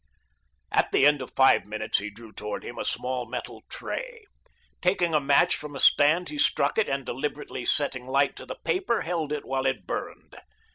At the end of five minutes he drew towards him a small metal tray. Taking a match from a stand, he struck it and deliberately setting light to the paper, held it while it burned.